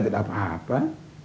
tidak ada apa apa